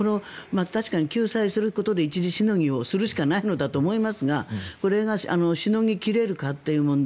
確かに救済することで一時しのぎをするしかないのだと思いますがこれがしのぎ切れるかという問題。